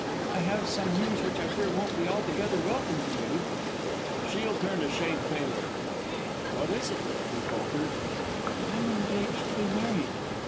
I have some news which I fear won't be altogether welcome to you." Shiel turned a shade paler. "What is it?" he faltered. "I'm engaged to be married."